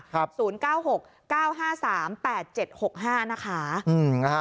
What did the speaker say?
ครับสูญ๐๙๖๙๕๓๘๗๖๕นะคะ